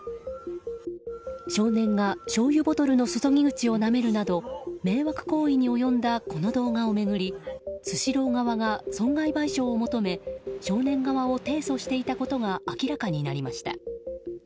少年が、しょうゆボトルのそそぎ口をなめるなど迷惑行為に及んだこの動画を巡りスシロー側が損害賠償を求め少年側を提訴していたことが明らかになりました。